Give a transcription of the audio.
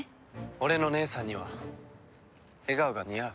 俺の姉さんには笑顔が似合う。